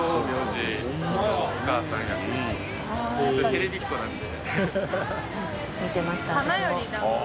テレビっ子なんで。